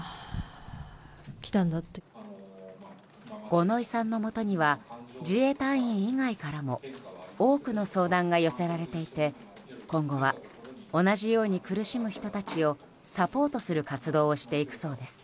五ノ井さんのもとには自衛隊員以外からも多くの相談が寄せられていて今後は同じように苦しむ人たちをサポートする活動をしていくそうです。